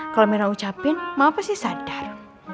kalo mirna ucapin mau apa sih sadar